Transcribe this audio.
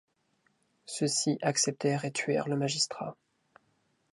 Ceux-ci acceptèrent et tuèrent le magistrat.